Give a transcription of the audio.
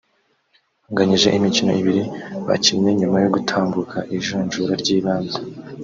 anganyije imikino ibiri bakinnye nyuma gutambuka ijonjora ry’ibanze